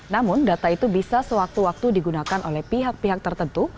namun data itu bisa sewaktu waktu digunakan oleh pihak pihak tertentu